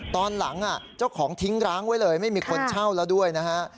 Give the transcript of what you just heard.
ตอนหลังเจ้าของทิ้งร้างไว้เลยไม่มีคนเช่าแล้วด้วยนะฮะ